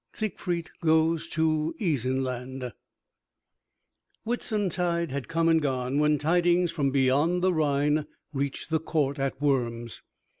V. SIEGFRIED GOES TO ISENLAND Whitsuntide had come and gone when tidings from beyond the Rhine reached the court at Worms.